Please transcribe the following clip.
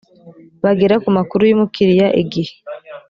bagera ku makuru y umukiriya igihe